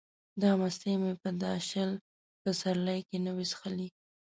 دا مستې مې په دا شل پسرلیه کې نه وې څښلې.